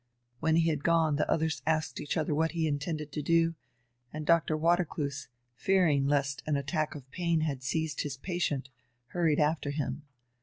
When he had gone, the others asked each other what he intended to do, and Doctor Watercloose, fearing lest an attack of pain had seized his patient, hurried after him.